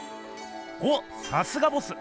おっさすがボス！